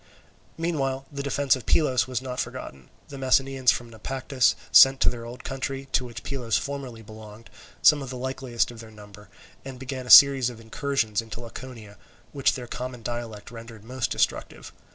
Meanwhile the defence of Pylos was not forgotten; the Messenians from Naupactus sent to their old country, to which Pylos formerly belonged, some of the likeliest of their number, and began a series of incursions into Laconia, which their common dialect rendered most destructive.